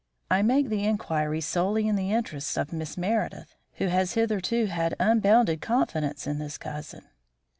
"I make the inquiry solely in the interests of Miss Meredith, who has hitherto had unbounded confidence in this cousin."